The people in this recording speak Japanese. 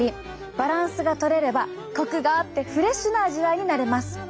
バランスがとれればコクがあってフレッシュな味わいになれます。